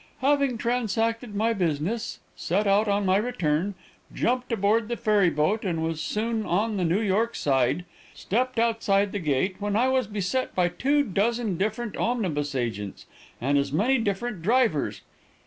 Having transacted my business, set out on my return, jumped aboard the ferry boat and was soon on the New York side; stepped outside the gate, when I was beset by two dozen different omnibus agents, and as many different drivers.